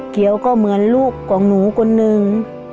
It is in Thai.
เขียวก็เหมือนลูกของหนูคนหนึ่ง